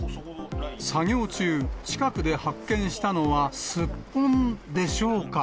作業中、近くで発見したのはスッポンでしょうか。